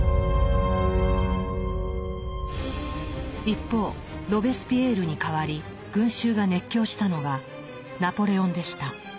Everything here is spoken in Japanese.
一方ロベスピエールに代わり群衆が熱狂したのがナポレオンでした。